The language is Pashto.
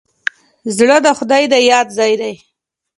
زړه د خدای د یاد ځای دی.